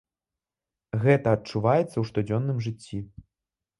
Гэта адчуваецца ў штодзённым жыцці.